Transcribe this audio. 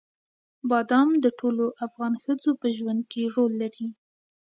بادام د ټولو افغان ښځو په ژوند کې رول لري.